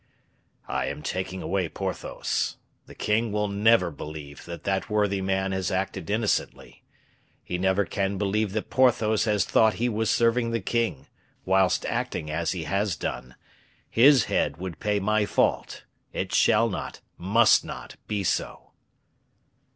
"I am taking away Porthos. The king will never believe that that worthy man has acted innocently. He never can believe that Porthos has thought he was serving the king, whilst acting as he has done. His head would pay my fault. It shall not, must not, be so."